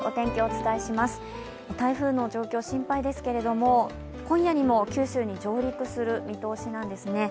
台風の状況、心配ですけれども今夜にも九州に上陸する見通しなんですね。